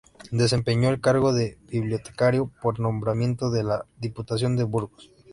Desempeñó el cargo de bibliotecario por nombramiento de la Diputación de Burgos.